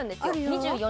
２４